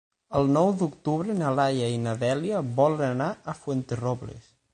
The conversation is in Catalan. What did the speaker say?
El nou d'octubre na Laia i na Dèlia volen anar a Fuenterrobles.